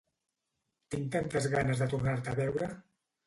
Tinc tantes ganes de tornar-te a veure!